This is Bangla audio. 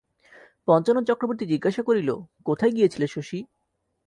পঞ্চানন চক্রবর্তী জিজ্ঞাসা করিল, কোথায় গিয়েছিলে শশী?